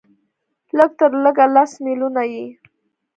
لږ تر لږه لس ملیونه یې